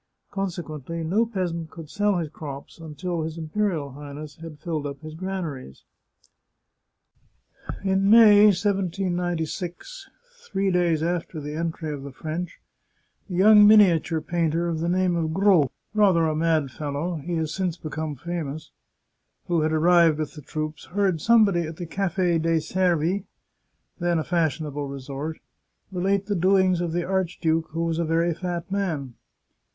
Consequently, no peasant could sell his crops until his Imperial Highness had filled up his granaries. In May, 1796, three days after the entry of the French, a young miniature painter of the name of Gros, rather a mad fellow — he has since become famous — who had arrived The Chartreuse of Parma with the troops, heard somebody at the Cafe dei Servi, then a fashionable resort, relate the doings of the archduke, who was a very fat man.